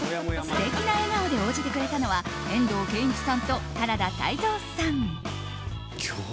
素敵な笑顔で応じてくれたのは遠藤憲一さんと原田泰造さん。